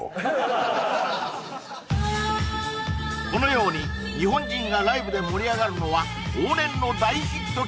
このように日本人がライブで盛り上がるのは往年の大ヒット曲